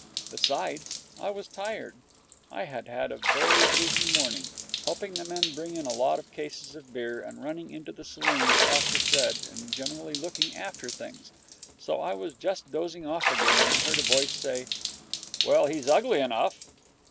Besides, I was tired. I had had a very busy morning, helping the men bring in a lot of cases of beer, and running into the saloon to talk to Fred and generally looking after things. So I was just dozing off again, when I heard a voice say, 'Well, he's ugly enough!'